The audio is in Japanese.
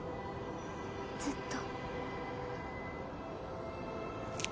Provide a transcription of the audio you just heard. ずっと。